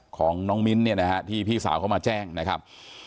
ของน้องมิ้นท์เนี่ยนะฮะที่พี่สาวเขามาแจ้งนะครับ